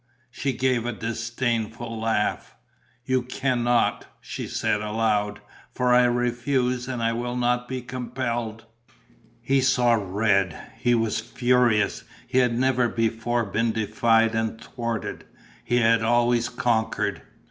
She gave a disdainful laugh: "You can not," she said, aloud. "For I refuse and I will not be compelled." He saw red, he was furious. He had never before been defied and thwarted; he had always conquered.